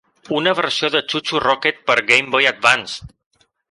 Una versió de ChuChu Rocket per a Game Boy Advance!